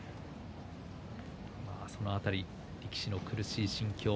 その辺り力士の苦しい心境。